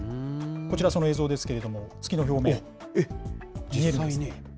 こちら、その映像ですけれども、実際に？